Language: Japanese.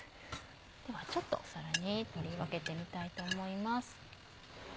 ではちょっと皿に取り分けてみたいと思います。